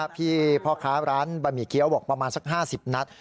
พี่พ่อค้าร้านบะหมี่เกี้ยวบอกประมาณสัก๕๐นัด